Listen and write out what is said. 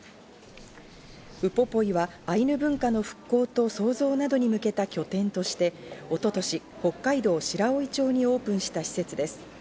ウポポイはアイヌ文化の復興と創造などに向けた拠点として一昨年、北海道白老町にオープンした施設です。